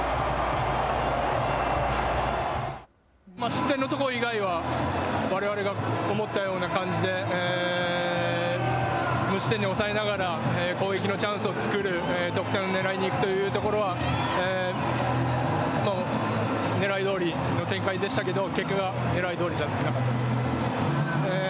失点のところ以外はわれわれが思ったような感じで、無失点に抑えながら攻撃のチャンスを作る、得点をねらいにいくというところは、ねらいどおりの展開でしたけど結果がねらいどおりじゃなかったです。